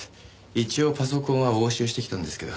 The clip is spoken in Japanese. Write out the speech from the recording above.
一応パソコンは押収してきたんですけど。